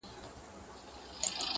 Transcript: خر په اته، کوټى ئې په شپېته.